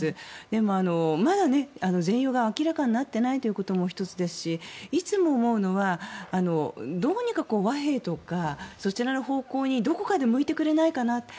でも、まだ全容が明らかになっていないということも１つですし、いつも思うのはどうにか和平とかそちらの方向にどこかで向いてくれないかなと。